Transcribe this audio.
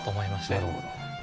なるほど。